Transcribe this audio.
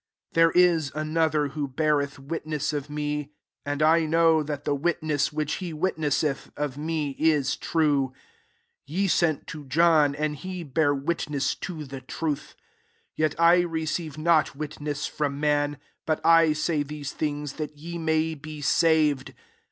32 Th^re is another who beareth witness of me ; and I know that the witness which he witnesseth of me is true. 33 Ye sent to John, and he bare witness to the truth. 34 Yet I receive not witness from man: but I say these things, that ye may be saved.